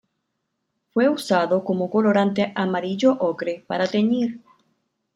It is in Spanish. Fue usado como colorante amarillo-ocre para teñir.